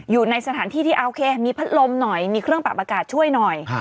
อยู่ในสถานที่ที่โอเคมีพัดลมหน่อยมีเครื่องปรับอากาศช่วยหน่อย